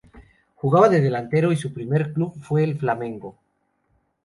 Jugaba de delantero y su primer club fue el Flamengo.